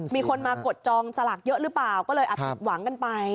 มีคนมากดจองสลากเยอะหรือเปล่าก็เลยอาจผิดหวังกันไป